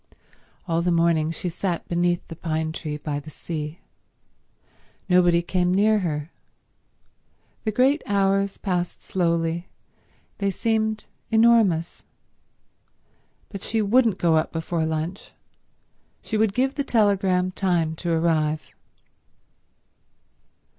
All the morning she sat beneath the pine tree by the sea. Nobody came near her. The great hours passed slowly; they seemed enormous. But she wouldn't go up before lunch, she would give the telegram time to arrive.